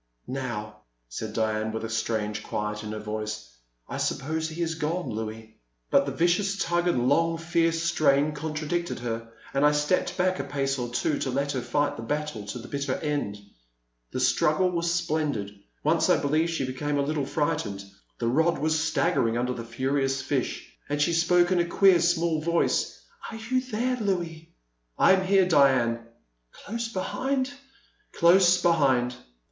Now/' said Diane, with a strange quiet in her voice, I suppose he is gone, I<ouis.*' But the vicious tug and long, fierce strain con tradicted her, and I stepped back a pace or twG to let her fight the battle to the bitter end. The struggle was splendid. Once I believe she became a little frightened, — ^the rod was stag gering under the furious fish, — ^and she spoke in a queer, small voice: Are you there, Louis? I am here, Diane. ''Close behind? ''Close behind.